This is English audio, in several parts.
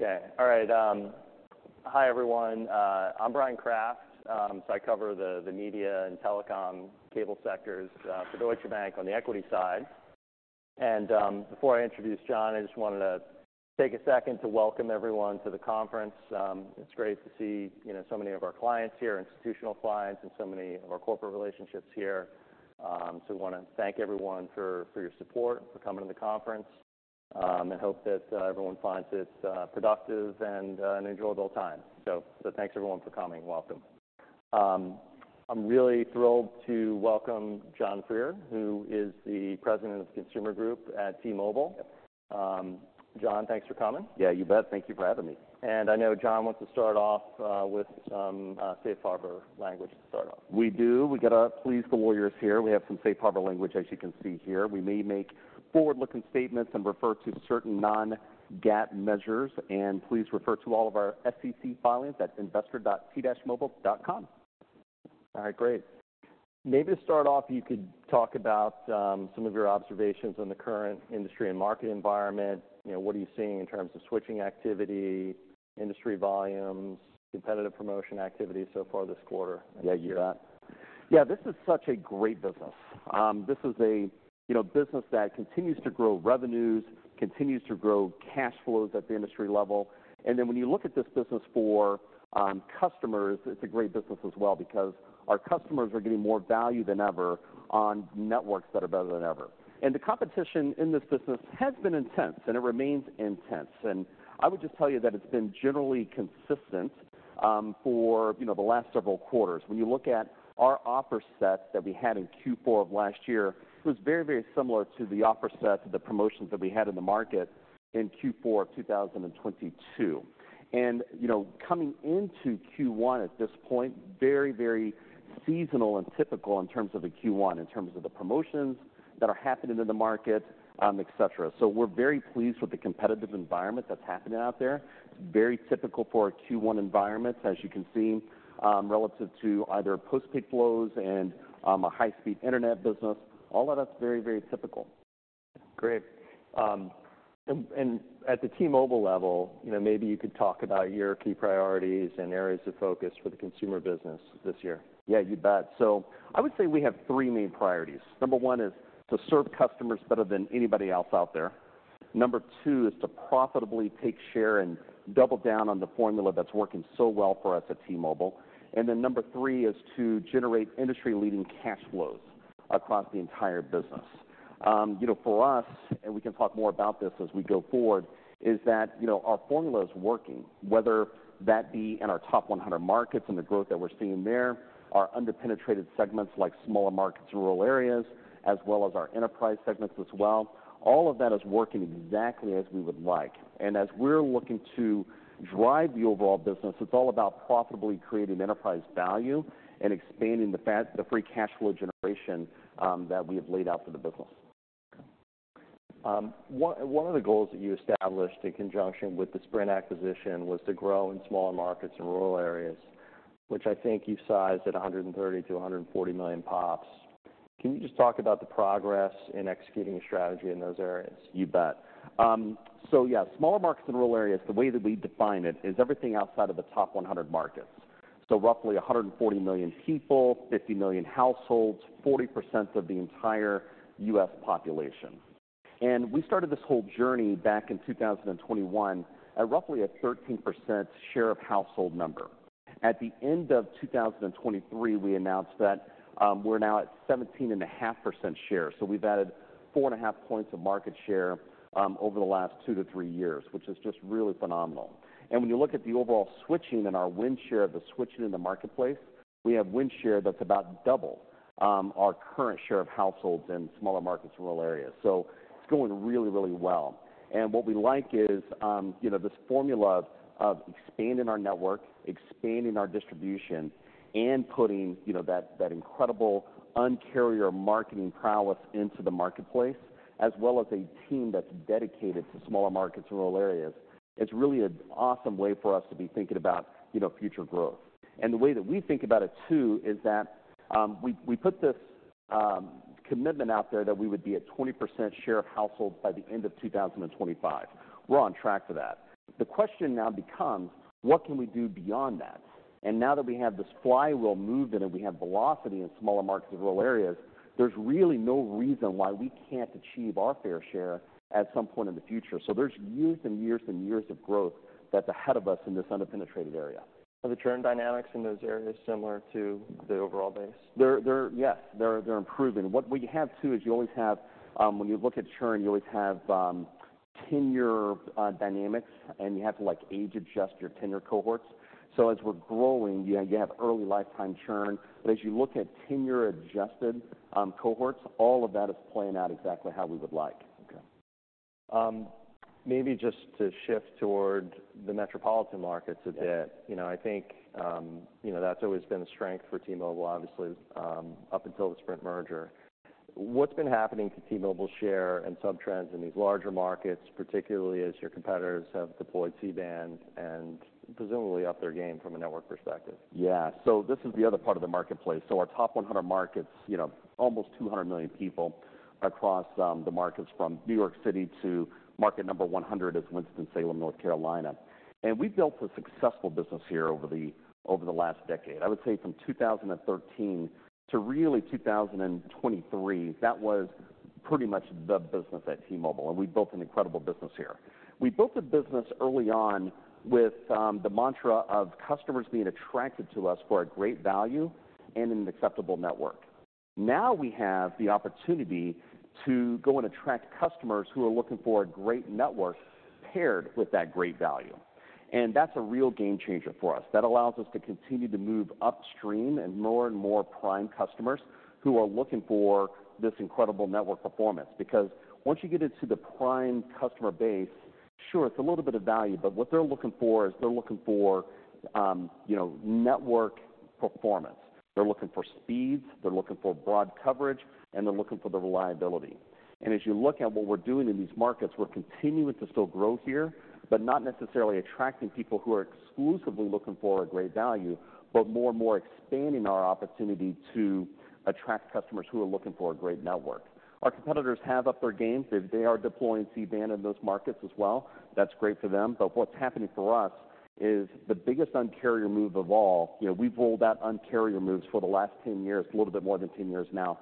Okay. All right. Hi, everyone. I'm Bryan Kraft. So I cover the media and telecom cable sectors for Deutsche Bank on the equity side. And before I introduce Jon, I just wanted to take a second to welcome everyone to the conference. It's great to see, you know, so many of our clients here, institutional clients, and so many of our corporate relationships here. So we want to thank everyone for your support for coming to the conference. And hope that everyone finds it productive and an enjoyable time. So thanks everyone for coming. Welcome. I'm really thrilled to welcome Jon Freier, who is the president of the Consumer Group at T-Mobile. Yep. Jon, thanks for coming. Yeah you bet. Thank you for having me. I know Jon wants to start off with some Safe Harbor language to start off. We do. We gotta please the lawyers here. We have some Safe Harbor language as you can see here. We may make forward-looking statements and refer to certain non-GAAP measures. Please refer to all of our SEC filings at investor.t-mobile.com. All right, great. Maybe to start off, you could talk about some of your observations on the current industry and market environment. You know, what are you seeing in terms of switching activity, industry volumes, competitive promotion activity so far this quarter? Yeah, you bet. Yeah, this is such a great business. This is a you know business that continues to grow revenues, continues to grow cash flows at the industry level. And then when you look at this business for customers, it's a great business as well because our customers are getting more value than ever on networks that are better than ever. And the competition in this business has been intense and it remains intense. And I would just tell you that it's been generally consistent for you know the last several quarters. When you look at our offer set that we had in Q4 of last year, it was very very similar to the offer set to the promotions that we had in the market in Q4 of 2022. You know, coming into Q1 at this point, very very seasonal and typical in terms of the Q1 in terms of the promotions that are happening in the market, et cetera. So we're very pleased with the competitive environment that's happening out there. It's very typical for a Q1 environment as you can see relative to either postpaid flows and a high-speed internet business. All of that's very very typical. Great. And at the T-Mobile level, you know, maybe you could talk about your key priorities and areas of focus for the consumer business this year. Yeah, you bet. So I would say we have three main priorities. Number one is to serve customers better than anybody else out there. Number two is to profitably take share and double down on the formula that's working so well for us at T-Mobile. And then number three is to generate industry-leading cash flows across the entire business. You know, for us—and we can talk more about this as we go forward—is that, you know, our formula is working, whether that be in our top 100 markets and the growth that we're seeing there, our under-penetrated segments like smaller markets and rural areas, as well as our enterprise segments as well. All of that is working exactly as we would like. As we're looking to drive the overall business, it's all about profitably creating enterprise value and expanding the free cash flow generation that we have laid out for the business. Okay. One of the goals that you established in conjunction with the Sprint acquisition was to grow in smaller markets and rural areas, which I think you sized at 130-140 million pops. Can you just talk about the progress in executing a strategy in those areas? You bet. So yeah, smaller markets and rural areas the way that we define it is everything outside of the top 100 markets. So roughly 140 million people, 50 million households, 40% of the entire US population. And we started this whole journey back in 2021 at roughly a 13% share of household number. At the end of 2023 we announced that we're now at 17.5% share. So we've added 4.5 points of market share over the last 2-3 years which is just really phenomenal. And when you look at the overall switching and our win share of the switching in the marketplace we have win share that's about double our current share of households in smaller markets and rural areas. So it's going really really well. What we like is you know this formula of expanding our network expanding our distribution and putting you know that incredible Un-carrier marketing prowess into the marketplace as well as a team that's dedicated to smaller markets and rural areas is really an awesome way for us to be thinking about you know future growth. The way that we think about it too is that we put this commitment out there that we would be at 20% share of households by the end of 2025. We're on track for that. The question now becomes what can we do beyond that? Now that we have this flywheel moved in and we have velocity in smaller markets and rural areas there's really no reason why we can't achieve our fair share at some point in the future. There's years and years and years of growth that's ahead of us in this under-penetrated area. Are the churn dynamics in those areas similar to the overall base? They're improving. What you have too is you always have, when you look at churn, you always have tenure dynamics and you have to like age adjust your tenure cohorts. So as we're growing, you have early lifetime churn. But as you look at tenure adjusted cohorts, all of that is playing out exactly how we would like. Okay. Maybe just to shift toward the metropolitan markets a bit. Yeah. You know, I think you know, that's always been a strength for T-Mobile obviously up until the Sprint merger. What's been happening to T-Mobile's share and sub trends in these larger markets particularly as your competitors have deployed C-band and presumably upped their game from a network perspective? Yeah. So this is the other part of the marketplace. So our top 100 markets, you know, almost 200 million people across the markets from New York City to market number 100 is Winston-Salem, North Carolina. And we've built a successful business here over the last decade. I would say from 2013 to really 2023 that was pretty much the business at T-Mobile. And we built an incredible business here. We built a business early on with the mantra of customers being attracted to us for a great value and an acceptable network. Now we have the opportunity to go and attract customers who are looking for a great network paired with that great value. And that's a real game changer for us. That allows us to continue to move upstream and more and more prime customers who are looking for this incredible network performance. Because once you get into the prime customer base, sure it's a little bit of value but what they're looking for is they're looking for, you know, network performance. They're looking for speeds, they're looking for broad coverage, and they're looking for the reliability. And as you look at what we're doing in these markets, we're continuing to still grow here but not necessarily attracting people who are exclusively looking for a great value but more and more expanding our opportunity to attract customers who are looking for a great network. Our competitors have upped their games. They are deploying C-band in those markets as well. That's great for them. But what's happening for us is the biggest Un-carrier move of all, you know. We've rolled out Un-carrier moves for the last 10 years—a little bit more than 10 years now.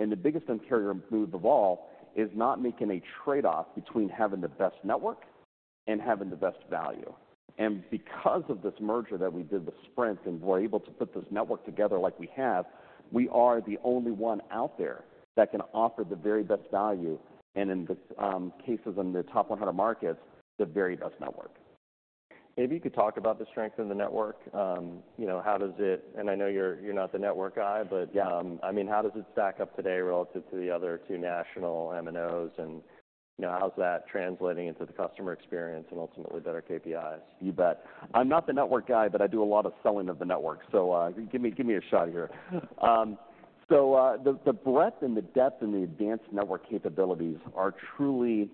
And the biggest Un-carrier move of all is not making a trade-off between having the best network and having the best value. And because of this merger that we did, the Sprint, and we're able to put this network together like we have, we are the only one out there that can offer the very best value and, in the cases in the top 100 markets, the very best network. Maybe you could talk about the strength of the network. You know, how does it and I know you're not the network guy, but. Yeah. I mean, how does it stack up today relative to the other two national MNOs, and you know, how's that translating into the customer experience and ultimately better KPIs? You bet. I'm not the network guy but I do a lot of selling of the network. So give me a shot here. So the breadth and the depth and the advanced network capabilities are truly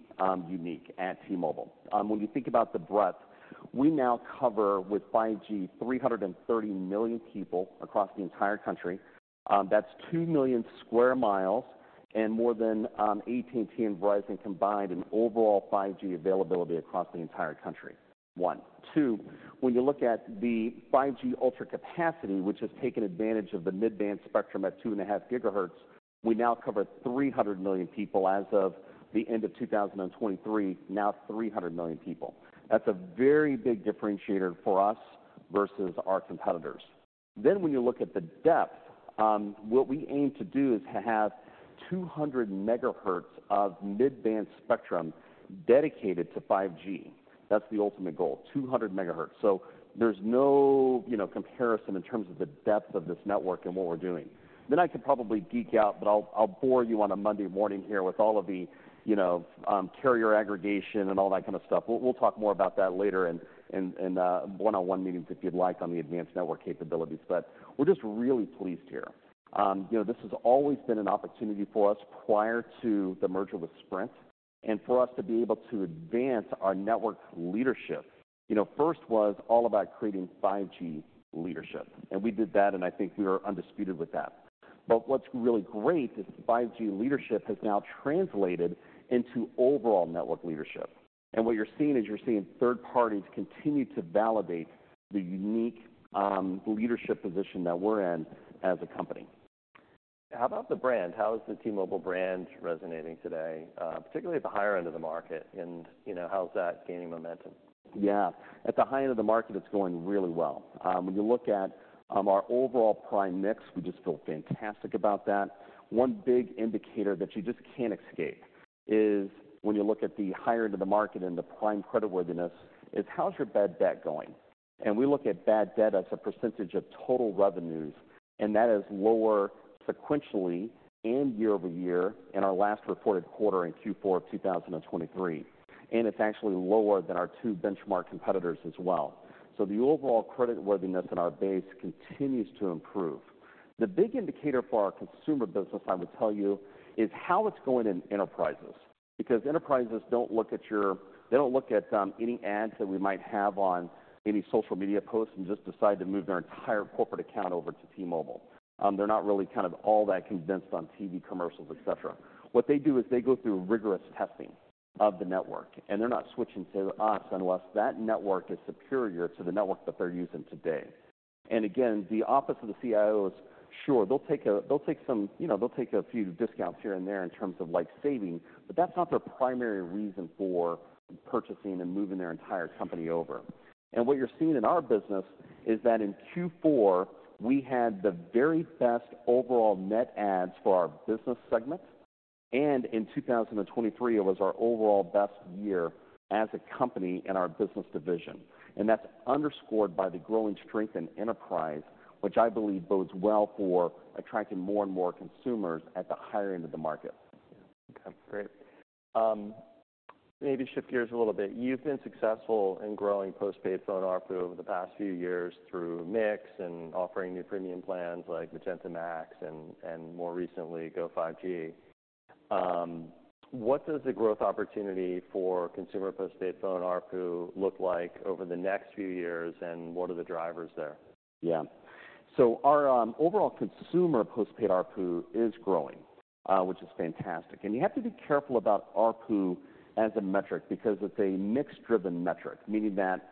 unique at T-Mobile. When you think about the breadth, we now cover with 5G 330 million people across the entire country. That's 2 million sq mi and more than AT&T and Verizon combined in overall 5G availability across the entire country. 1. 2. When you look at the 5G Ultra Capacity which has taken advantage of the mid-band spectrum at 2.5 GHz we now cover 300 million people as of the end of 2023 now 300 million people. That's a very big differentiator for us versus our competitors. Then when you look at the depth what we aim to do is have 200 MHz of mid-band spectrum dedicated to 5G. That's the ultimate goal 200 MHz. So there's no you know comparison in terms of the depth of this network and what we're doing. Then I could probably geek out but I'll bore you on a Monday morning here with all of the you know carrier aggregation and all that kinda stuff. We'll talk more about that later in one-on-one meetings if you'd like on the advanced network capabilities. But we're just really pleased here. You know this has always been an opportunity for us prior to the merger with Sprint and for us to be able to advance our network leadership. You know first was all about creating 5G leadership. We did that and I think we were undisputed with that. What's really great is 5G leadership has now translated into overall network leadership. What you're seeing is you're seeing third parties continue to validate the unique leadership position that we're in as a company. How about the brand? How is the T-Mobile brand resonating today particularly at the higher end of the market? You know how's that gaining momentum? Yeah. At the high end of the market it's going really well. When you look at our overall prime mix we just feel fantastic about that. One big indicator that you just can't escape is when you look at the higher end of the market and the prime creditworthiness is how's your bad debt going? And we look at bad debt as a percentage of total revenues and that is lower sequentially and year-over-year in our last reported quarter in Q4 of 2023. And it's actually lower than our two benchmark competitors as well. So the overall creditworthiness in our base continues to improve. The big indicator for our consumer business I would tell you is how it's going in enterprises. Because enterprises don't look at any ads that we might have on any social media posts and just decide to move their entire corporate account over to T-Mobile. They're not really kind of all that convinced on TV commercials et cetera. What they do is they go through rigorous testing of the network. And they're not switching to us unless that network is superior to the network that they're using today. And again the office of the CIOs sure they'll take some, you know, a few discounts here and there in terms of like saving but that's not their primary reason for purchasing and moving their entire company over. And what you're seeing in our business is that in Q4 we had the very best overall net adds for our business segment. In 2023 it was our overall best year as a company in our business division. That's underscored by the growing strength in enterprise, which I believe bodes well for attracting more and more consumers at the higher end of the market. Yeah. Okay. Great. Maybe shift gears a little bit. You've been successful in growing postpaid phone RPU over the past few years through mix and offering new premium plans like Magenta MAX and, more recently, Go5G. What does the growth opportunity for consumer postpaid phone RPU look like over the next few years, and what are the drivers there? Yeah. So our overall consumer postpaid RPU is growing, which is fantastic. And you have to be careful about RPU as a metric because it's a mix-driven metric. Meaning that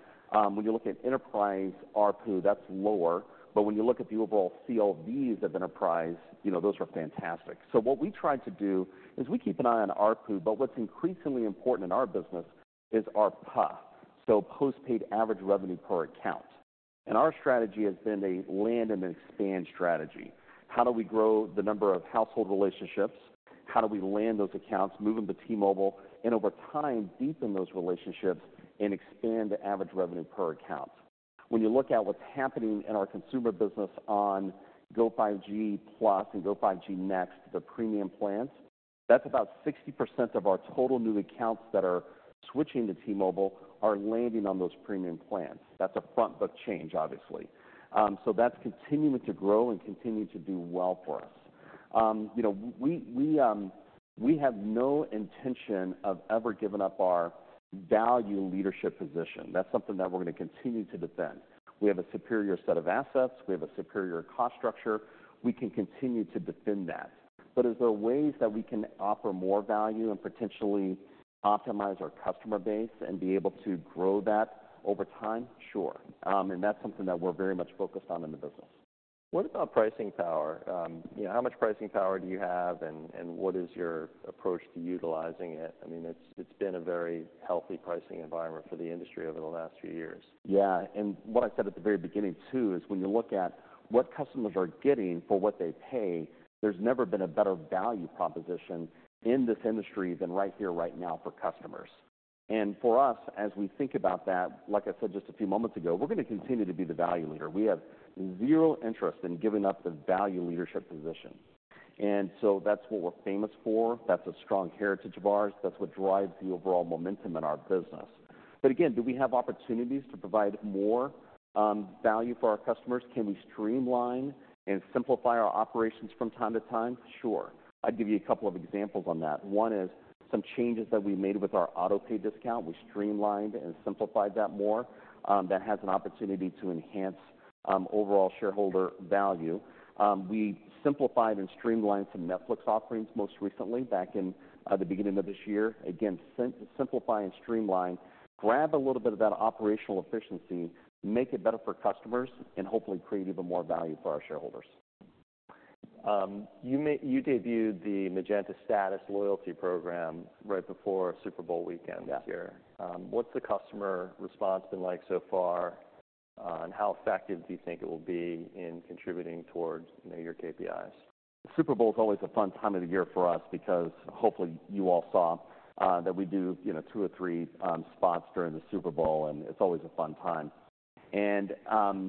when you look at enterprise RPU, that's lower. But when you look at the overall CLVs of enterprise, you know, those are fantastic. So what we tried to do is we keep an eye on RPU, but what's increasingly important in our business is our ARPA. So postpaid average revenue per account. And our strategy has been a land and expand strategy. How do we grow the number of household relationships? How do we land those accounts moving to T-Mobile and over time deepen those relationships and expand the average revenue per account? When you look at what's happening in our consumer business on Go5G Plus and Go5G Next, the premium plans, that's about 60% of our total new accounts that are switching to T-Mobile are landing on those premium plans. That's a front book change obviously. So that's continuing to grow and continue to do well for us. You know, we have no intention of ever giving up our value leadership position. That's something that we're gonna continue to defend. We have a superior set of assets. We have a superior cost structure. We can continue to defend that. But is there ways that we can offer more value and potentially optimize our customer base and be able to grow that over time? Sure. And that's something that we're very much focused on in the business. What about pricing power? You know, how much pricing power do you have and what is your approach to utilizing it? I mean, it's been a very healthy pricing environment for the industry over the last few years. Yeah. And what I said at the very beginning too is when you look at what customers are getting for what they pay, there's never been a better value proposition in this industry than right here, right now for customers. And for us as we think about that, like I said just a few moments ago, we're gonna continue to be the value leader. We have zero interest in giving up the value leadership position. And so that's what we're famous for, that's a strong heritage of ours, that's what drives the overall momentum in our business. But again, do we have opportunities to provide more value for our customers? Can we streamline and simplify our operations from time to time? Sure. I'd give you a couple of examples on that. One is some changes that we made with our Autopay discount. We streamlined and simplified that more. That has an opportunity to enhance overall shareholder value. We simplified and streamlined some Netflix offerings most recently back in the beginning of this year. Again, simplify and streamline grab a little bit of that operational efficiency make it better for customers and hopefully create even more value for our shareholders. You debuted the Magenta Status loyalty program right before Super Bowl weekend this year. Yeah. What's the customer response been like so far and how effective do you think it will be in contributing towards you know your KPIs? Super Bowl's always a fun time of the year for us because hopefully you all saw that we do, you know, two or three spots during the Super Bowl and it's always a fun time.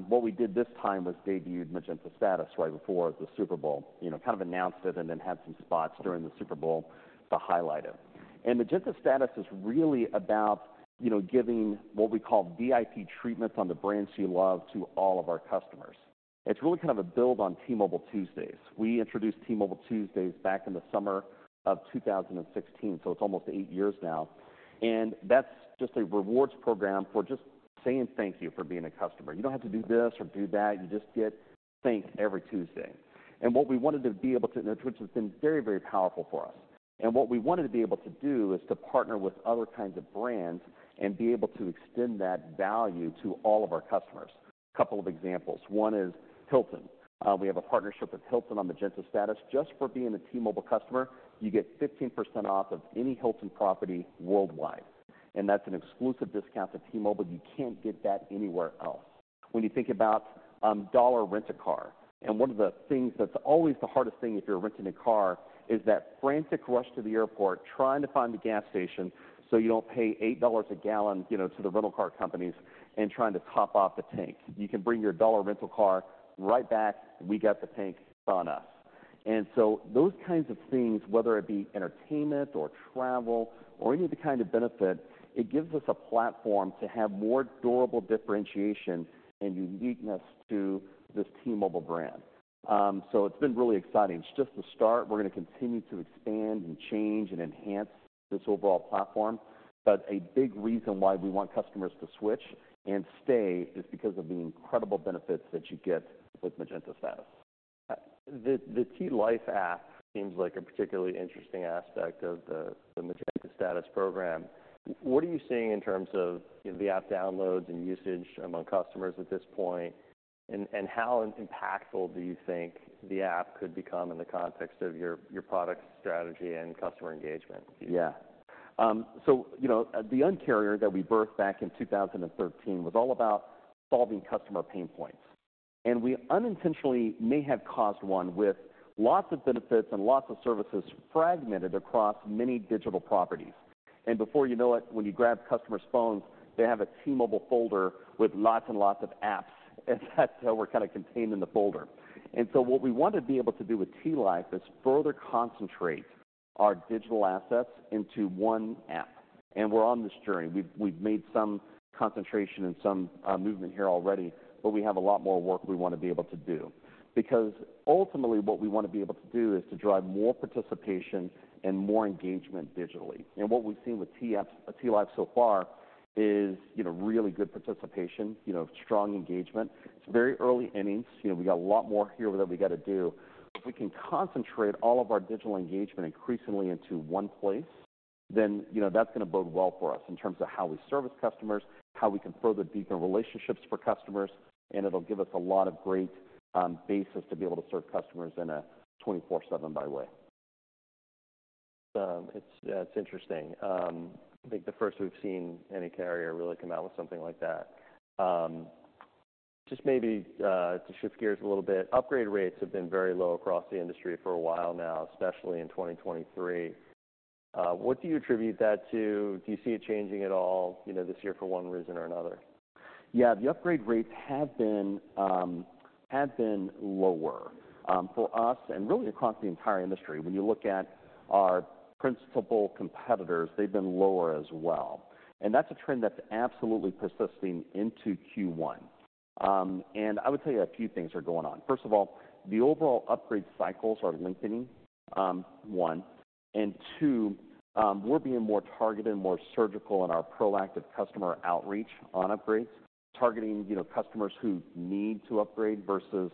What we did this time was debuted Magenta Status right before the Super Bowl. You know, kind of announced it and then had some spots during the Super Bowl to highlight it. Magenta Status is really about, you know, giving what we call VIP treatments on the brands you love to all of our customers. It's really kind of a build on T-Mobile Tuesdays. We introduced T-Mobile Tuesdays back in the summer of 2016. So it's almost eight years now. That's just a rewards program for just saying thank you for being a customer. You don't have to do this or do that; you just get thanked every Tuesday. What we wanted to be able to do is to partner with other kinds of brands and be able to extend that value to all of our customers. Couple of examples. One is Hilton. We have a partnership with Hilton on Magenta Status. Just for being a T-Mobile customer you get 15% off of any Hilton property worldwide. And that's an exclusive discount to T-Mobile you can't get that anywhere else. When you think about Dollar Rent A Car and one of the things that's always the hardest thing if you're renting a car is that frantic rush to the airport trying to find the gas station so you don't pay $8 a gallon you know to the rental car companies and trying to top off the tank. You can bring your Dollar rental car right back. We got the tank. It's on us. And so those kinds of things whether it be entertainment or travel or any of the kind of benefit it gives us a platform to have more durable differentiation and uniqueness to this T-Mobile brand. So it's been really exciting. It's just the start. We're gonna continue to expand and change and enhance this overall platform. But a big reason why we want customers to switch and stay is because of the incredible benefits that you get with Magenta Status. The T-Life app seems like a particularly interesting aspect of the Magenta Status program. What are you seeing in terms of, you know, the app downloads and usage among customers at this point? And how impactful do you think the app could become in the context of your product strategy and customer engagement? Yeah. So you know the Un-carrier that we birthed back in 2013 was all about solving customer pain points. And we unintentionally may have caused one with lots of benefits and lots of services fragmented across many digital properties. And before you know it when you grab customers' phones they have a T-Mobile folder with lots and lots of apps and that's how we're kinda contained in the folder. And so what we want to be able to do with T-Life is further concentrate our digital assets into one app. And we're on this journey we've made some concentration and some movement here already but we have a lot more work we wanna be able to do. Because ultimately what we wanna be able to do is to drive more participation and more engagement digitally. What we've seen with T apps T-Life so far is, you know, really good participation, you know, strong engagement. It's very early innings, you know. We got a lot more here that we gotta do. If we can concentrate all of our digital engagement increasingly into one place, then, you know, that's gonna bode well for us in terms of how we service customers, how we can further deepen relationships for customers, and it'll give us a lot of great basis to be able to serve customers in a 24/7 way. It's, yeah, it's interesting. I think the first we've seen any carrier really come out with something like that. Just maybe to shift gears a little bit, upgrade rates have been very low across the industry for a while now, especially in 2023. What do you attribute that to? Do you see it changing at all, you know, this year for one reason or another? Yeah, the upgrade rates have been lower for us and really across the entire industry when you look at our principal competitors. They've been lower as well. And that's a trend that's absolutely persisting into Q1. I would tell you a few things are going on. First of all, the overall upgrade cycles are lengthening. One, and two, we're being more targeted, more surgical in our proactive customer outreach on upgrades. Targeting, you know, customers who need to upgrade versus,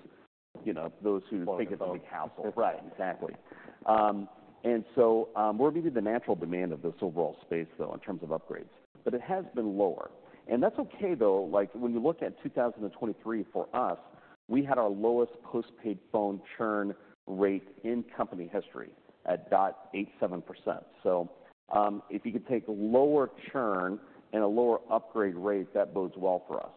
you know, those who think it's a big hassle. Well+well+well+well+well+well+well+well+well, exactly. So we're meeting the natural demand of this overall space though in terms of upgrades. But it has been lower. And that's okay though like when you look at 2023 for us we had our lowest postpaid phone churn rate in company history at 0.87%. So if you could take a lower churn and a lower upgrade rate that bodes well for us.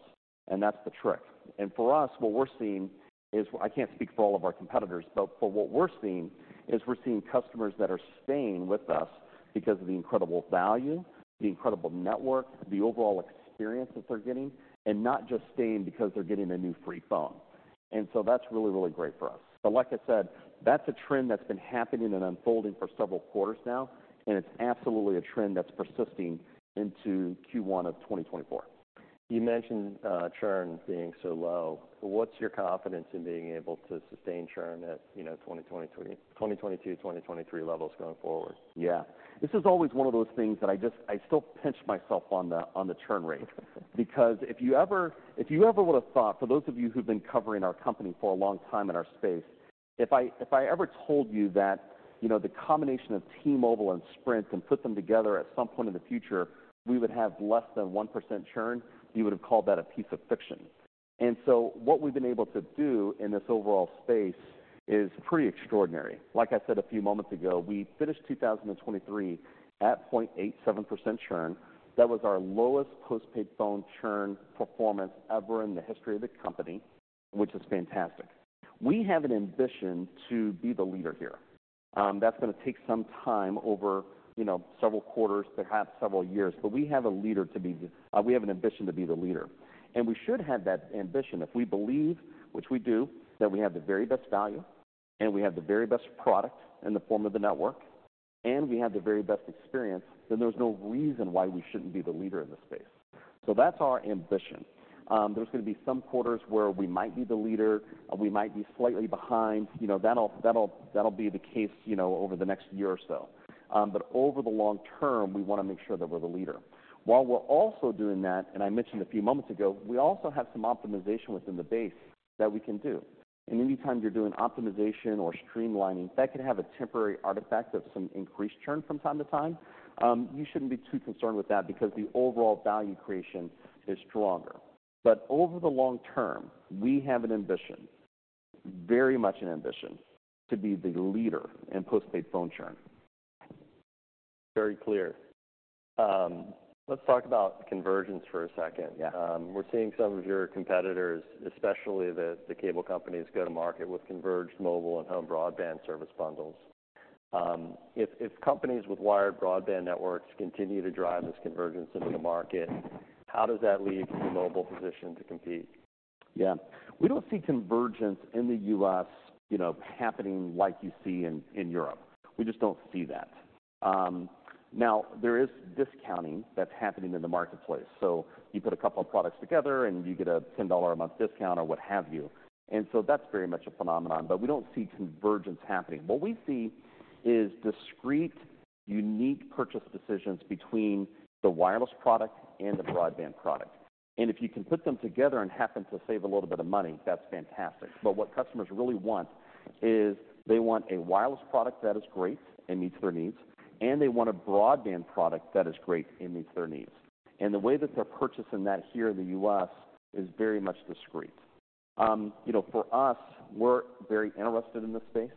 And that's the trick. And for us what we're seeing is, I can't speak for all of our competitors but for what we're seeing is we're seeing customers that are staying with us because of the incredible value the incredible network the overall experience that they're getting and not just staying because they're getting a new free phone. And so that's really really great for us. But like I said that's a trend that's been happening and unfolding for several quarters now and it's absolutely a trend that's persisting into Q1 of 2024. You mentioned churn being so low. What's your confidence in being able to sustain churn at, you know, 2022-2023 levels going forward? Yeah. This is always one of those things that I just still pinch myself on the churn rate. Because if you ever would've thought for those of you who've been covering our company for a long time in our space if I ever told you that you know the combination of T-Mobile and Sprint and put them together at some point in the future we would have less than 1% churn you would've called that a piece of fiction. And so what we've been able to do in this overall space is pretty extraordinary. Like I said a few moments ago we finished 2023 at 0.87% churn. That was our lowest postpaid phone churn performance ever in the history of the company which is fantastic. We have an ambition to be the leader here. That's gonna take some time over, you know, several quarters perhaps several years. But we have a leader to be the—we have an ambition to be the leader. And we should have that ambition if we believe, which we do, that we have the very best value and we have the very best product in the form of the network and we have the very best experience. Then there's no reason why we shouldn't be the leader in this space. So that's our ambition. There's gonna be some quarters where we might be the leader; we might be slightly behind, you know. That'll be the case, you know, over the next year or so. But over the long term we wanna make sure that we're the leader. While we're also doing that, and I mentioned a few moments ago, we also have some optimization within the base that we can do. Anytime you're doing optimization or streamlining, that could have a temporary artifact of some increased churn from time to time. You shouldn't be too concerned with that because the overall value creation is stronger. But over the long term, we have an ambition, very much an ambition, to be the leader in postpaid phone churn. Very clear. Let's talk about convergence for a second. Yeah. We're seeing some of your competitors especially the cable companies go to market with converged mobile and home broadband service bundles. If companies with wired broadband networks continue to drive this convergence into the market how does that leave T-Mobile position to compete? Yeah. We don't see convergence in the U.S. you know happening like you see in Europe. We just don't see that. Now there is discounting that's happening in the marketplace. So you put a couple of products together and you get a $10 a month discount or what have you. And so that's very much a phenomenon but we don't see convergence happening. What we see is discrete unique purchase decisions between the wireless product and the broadband product. And if you can put them together and happen to save a little bit of money that's fantastic. But what customers really want is they want a wireless product that is great and meets their needs and they want a broadband product that is great and meets their needs. And the way that they're purchasing that here in the U.S. is very much discrete. You know, for us, we're very interested in this space.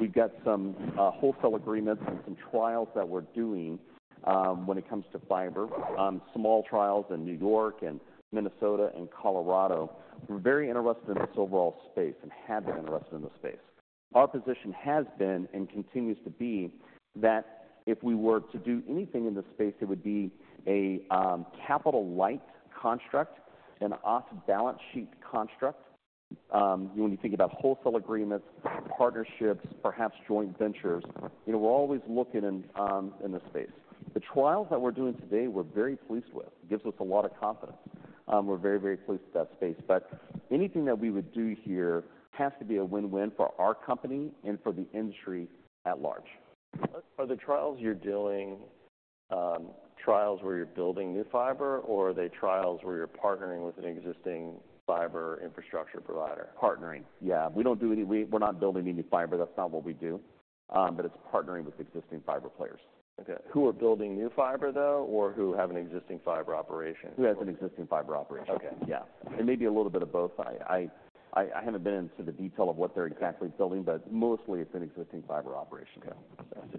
We've got some wholesale agreements and some trials that we're doing when it comes to fiber. Small trials in New York and Minnesota and Colorado. We're very interested in this overall space and have been interested in this space. Our position has been and continues to be that if we were to do anything in this space it would be a capital light construct an off balance sheet construct. You know when you think about wholesale agreements partnerships perhaps joint ventures you know we're always looking in in this space. The trials that we're doing today we're very pleased with gives us a lot of confidence. We're very very pleased with that space. But anything that we would do here has to be a win-win for our company and for the industry at large. Are the trials you're doing trials where you're building new fiber or are they trials where you're partnering with an existing fiber infrastructure provider? Partnering. Yeah. We don't do any. We're not building any fiber. That's not what we do, but it's partnering with existing fiber players. Okay. Who are building new fiber though or who have an existing fiber operation? Who has an existing fiber operation? Okay. Yeah. And maybe a little bit of both. I haven't been into the detail of what they're exactly building, but mostly it's an existing fiber operation. Okay. I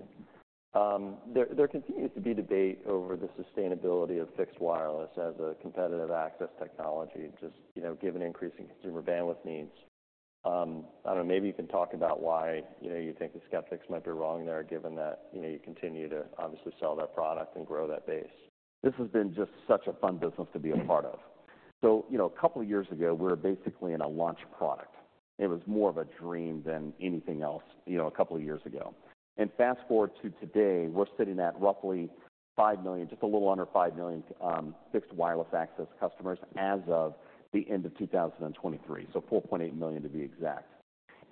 see. There continues to be debate over the sustainability of fixed wireless as a competitive access technology just you know given increasing consumer bandwidth needs. I don't know maybe you can talk about why you know you think the skeptics might be wrong there given that you know you continue to obviously sell that product and grow that base. This has been just such a fun business to be a part of. So you know a couple of years ago we were basically in a launch product. It was more of a dream than anything else you know a couple of years ago. And fast forward to today we're sitting at roughly 5 million, just a little under 5 million fixed wireless access customers as of the end of 2023. So 4.8 million to be exact.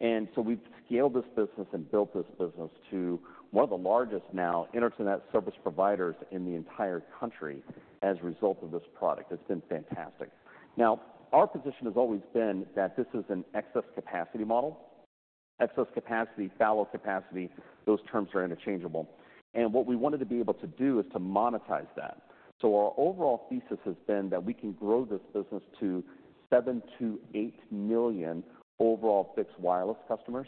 And so we've scaled this business and built this business to one of the largest now internet service providers in the entire country as a result of this product. It's been fantastic. Now our position has always been that this is an excess capacity model. Excess capacity, fallow capacity, those terms are interchangeable. And what we wanted to be able to do is to monetize that. So our overall thesis has been that we can grow this business to 7-8 million overall fixed wireless customers.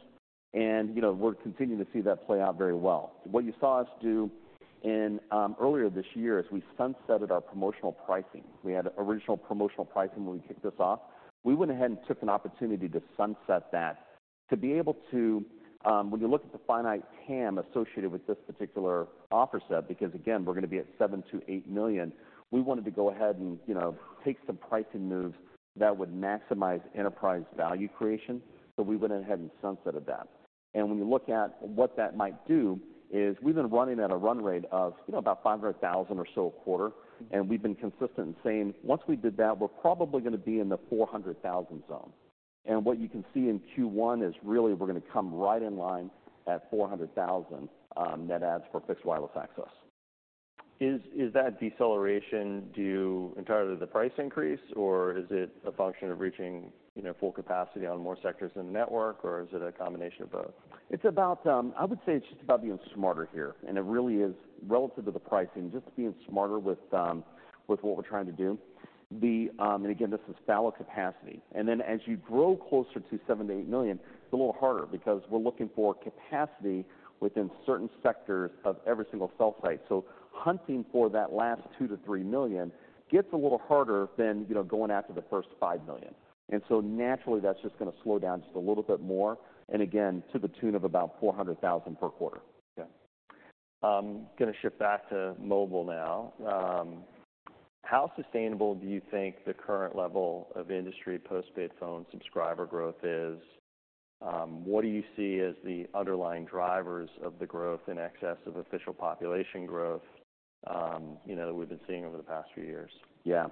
And you know we're continuing to see that play out very well. What you saw us do in earlier this year is we sunsetted our promotional pricing. We had a original promotional pricing when we kicked this off. We went ahead and took an opportunity to sunset that to be able to when you look at the finite TAM associated with this particular offer set because again we're gonna be at 7-8 million we wanted to go ahead and you know take some pricing moves that would maximize enterprise value creation. So we went ahead and sunsetted that. And when you look at what that might do is we've been running at a run rate of you know about 500,000 or so a quarter. Mm-hmm. We've been consistent in saying once we did that we're probably gonna be in the 400,000 zone. What you can see in Q1 is really we're gonna come right in line at 400,000 net adds for fixed wireless access. Is that deceleration due entirely to the price increase or is it a function of reaching you know full capacity on more sectors in the network or is it a combination of both? It's about, I would say, it's just about being smarter here. And it really is relative to the pricing, just being smarter with with what we're trying to do. The, and again, this is fallow capacity. And then as you grow closer to 7-8 million it's a little harder because we're looking for capacity within certain sectors of every single cell site. So hunting for that last 2-3 million gets a little harder than you know going after the first 5 million. And so naturally that's just gonna slow down just a little bit more and again to the tune of about 400,000 per quarter. Okay. Gonna shift back to mobile now. How sustainable do you think the current level of industry postpaid phone subscriber growth is? What do you see as the underlying drivers of the growth in excess of official population growth you know that we've been seeing over the past few years? Yeah.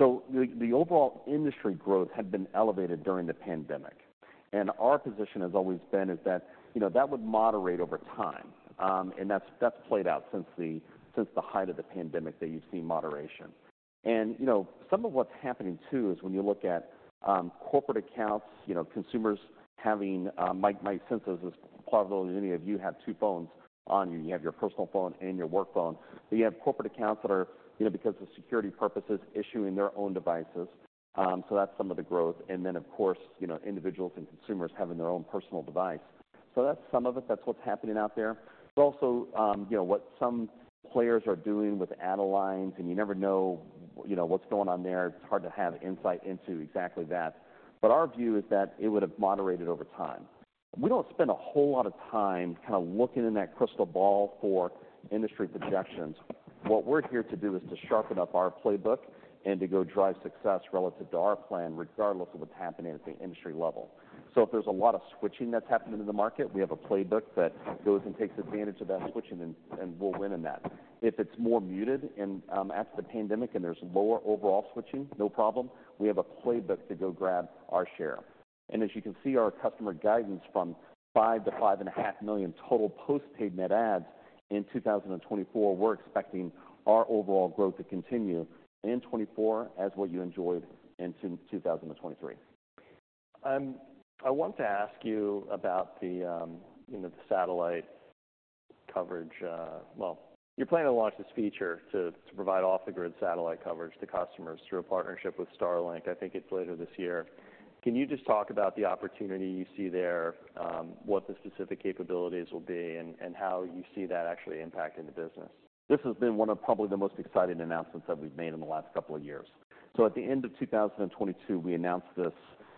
So the overall industry growth had been elevated during the pandemic. And our position has always been is that you know that would moderate over time. And that's played out since the height of the pandemic that you've seen moderation. And you know some of what's happening too is when you look at corporate accounts you know consumers having might sense this as probably as many of you have two phones on you. You have your personal phone and your work phone. But you have corporate accounts that are you know because of security purposes issuing their own devices. So that's some of the growth. And then of course you know individuals and consumers having their own personal device. So that's some of it that's what's happening out there. But also, you know, what some players are doing with add-a-lines and you never know, you know, what's going on there. It's hard to have insight into exactly that. But our view is that it would've moderated over time. We don't spend a whole lot of time kinda looking in that crystal ball for industry projections. What we're here to do is to sharpen up our playbook and to go drive success relative to our plan regardless of what's happening at the industry level. So if there's a lot of switching that's happening in the market, we have a playbook that goes and takes advantage of that switching and we'll win in that. If it's more muted after the pandemic and there's lower overall switching, no problem, we have a playbook to go grab our share. As you can see, our customer guidance from 5-5.5 million total postpaid net adds in 2024. We're expecting our overall growth to continue in 2024 as what you enjoyed in 2023. I want to ask you about the, you know, the satellite coverage. Well, you're planning to launch this feature to provide off-the-grid satellite coverage to customers through a partnership with Starlink. I think it's later this year. Can you just talk about the opportunity you see there, what the specific capabilities will be, and how you see that actually impacting the business? This has been one of probably the most exciting announcements that we've made in the last couple of years. So at the end of 2022 we announced this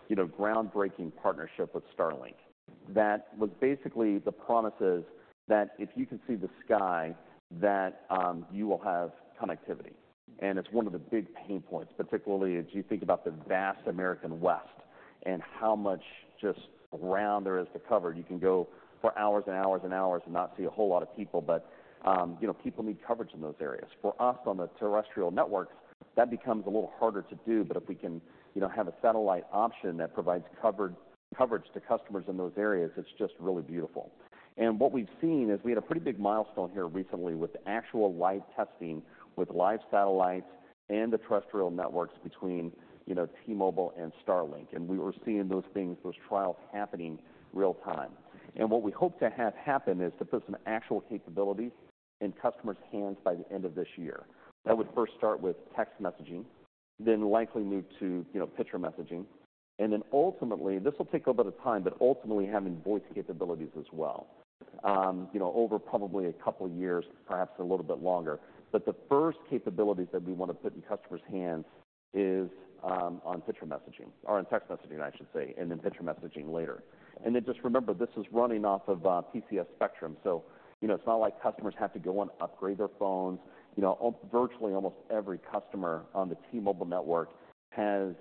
you know groundbreaking partnership with Starlink. That was basically the promise is that if you can see the sky that you will have connectivity. Mm-hmm. It's one of the big pain points particularly as you think about the vast American West and how much just ground there is to cover. You can go for hours and hours and hours and not see a whole lot of people. But you know people need coverage in those areas. For us on the terrestrial networks that becomes a little harder to do. But if we can you know have a satellite option that provides covered coverage to customers in those areas it's just really beautiful. What we've seen is we had a pretty big milestone here recently with actual live testing with live satellites and the terrestrial networks between you know T-Mobile and Starlink. We were seeing those things those trials happening real time. What we hope to have happen is to put some actual capabilities in customers' hands by the end of this year. That would first start with text messaging then likely move to you know picture messaging. And then ultimately this'll take a little bit of time but ultimately having voice capabilities as well. You know over probably a couple of years perhaps a little bit longer. But the first capabilities that we wanna put in customers' hands is on picture messaging or on text messaging I should say and then picture messaging later. And then just remember this is running off of PCS Spectrum. So you know it's not like customers have to go and upgrade their phones. You know virtually almost every customer on the T-Mobile network has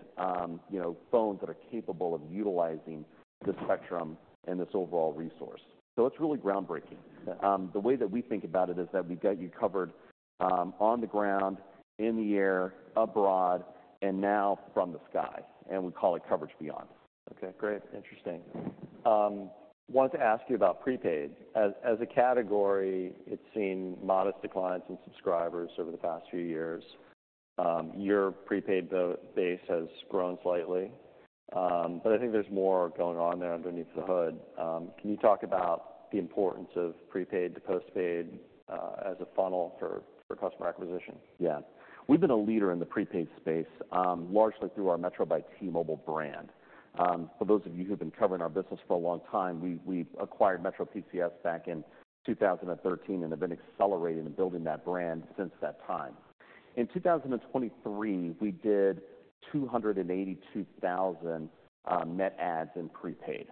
you know phones that are capable of utilizing the spectrum and this overall resource. So it's really groundbreaking. Okay. The way that we think about it is that we've got you covered on the ground in the air abroad and now from the sky. We call it Coverage Beyond. Okay. Great. Interesting. Wanted to ask you about prepaid. As a category, it's seen modest declines in subscribers over the past few years. Your prepaid base has grown slightly. But I think there's more going on there underneath the hood. Can you talk about the importance of prepaid to postpaid as a funnel for customer acquisition? Yeah. We've been a leader in the prepaid space largely through our Metro by T-Mobile brand. For those of you who've been covering our business for a long time, we acquired MetroPCS back in 2013 and have been accelerating and building that brand since that time. In 2023 we did 282,000 net adds in prepaid.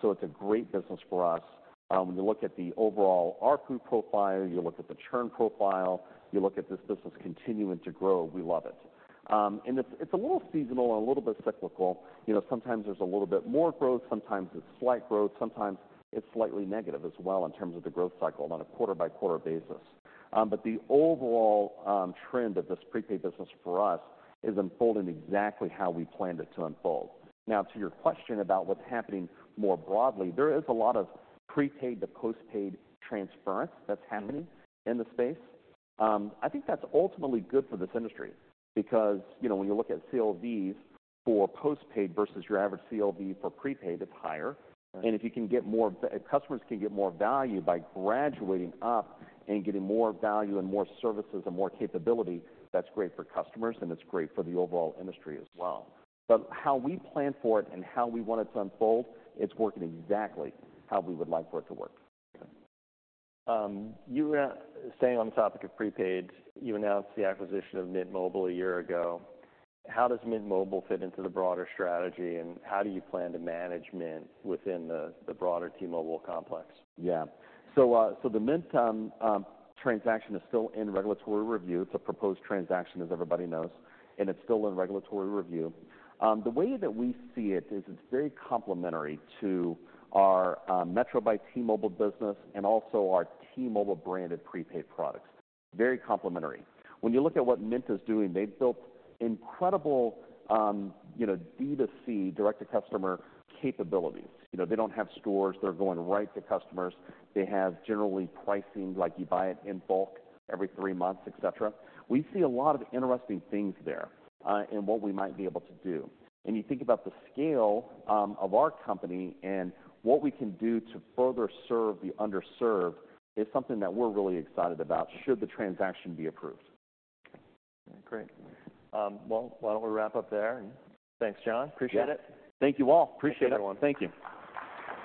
So it's a great business for us. When you look at the overall ARPU profile, you look at the churn profile, you look at this business continuing to grow, we love it. And it's a little seasonal and a little bit cyclical. You know, sometimes there's a little bit more growth, sometimes it's slight growth, sometimes it's slightly negative as well in terms of the growth cycle on a quarter-by-quarter basis. The overall trend of this prepaid business for us is unfolding exactly how we planned it to unfold. Now to your question about what's happening more broadly there is a lot of prepaid to postpaid transference that's happening in the space. I think that's ultimately good for this industry because you know when you look at CLVs for postpaid versus your average CLV for prepaid it's higher. Right. And if you can get more customers can get more value by graduating up and getting more value and more services and more capability, that's great for customers and it's great for the overall industry as well. But how we plan for it and how we want it to unfold, it's working exactly how we would like for it to work. Okay. You were saying on the topic of prepaid you announced the acquisition of Mint Mobile a year ago. How does Mint Mobile fit into the broader strategy and how do you plan to manage Mint within the broader T-Mobile complex? Yeah. So so the Mint transaction is still in regulatory review. It's a proposed transaction as everybody knows. And it's still in regulatory review. The way that we see it is it's very complementary to our Metro by T-Mobile business and also our T-Mobile branded prepaid products. Very complementary. When you look at what Mint is doing, they've built incredible you know D to C direct-to-customer capabilities. You know they don't have stores, they're going right to customers. They have generally pricing like you buy it in bulk every three months, et cetera. We see a lot of interesting things there in what we might be able to do. And you think about the scale of our company and what we can do to further serve the underserved is something that we're really excited about should the transaction be approved. Okay. Okay. Great. Well, why don't we wrap up there and thanks, John. Appreciate it. Yeah. Thank you all. Appreciate it everyone. Thank you.